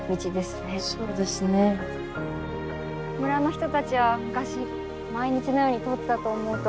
村の人たちは昔毎日のように通ったと思うと。